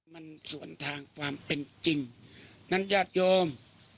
มันส่วนทางความเป็นจริงนั้นญาติโยม